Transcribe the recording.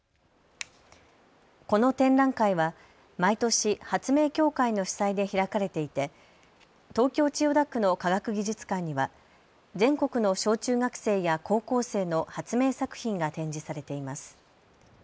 この展覧会は毎年、発明協会の主催で開かれていて東京千代田区の科学技術館には全国の小中学生や高校生の発明作品が展示されています。